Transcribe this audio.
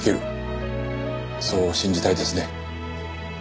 そう信じたいですね。